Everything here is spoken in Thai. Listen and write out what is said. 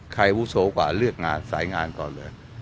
ใครอุโสกว่าเลือกสายงานก่อนเลย